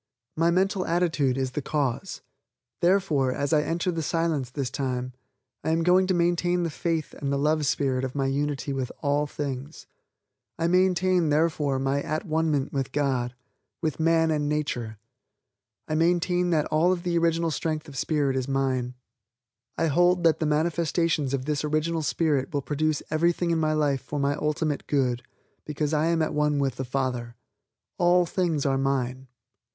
My mental attitude is the cause; therefore, as I enter the Silence this time, I am going to maintain the faith and the love spirit of my unity with all things. I maintain, therefore, my at one ment with God, with man and nature. I maintain that all of the original strength of spirit is mine. I hold that the manifestations of this original spirit will produce everything in my life for my ultimate good, because I am at one with the Father. All things are mine.